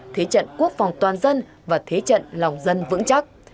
thế trận quốc phòng toàn dân và thế trận lòng dân vững chắc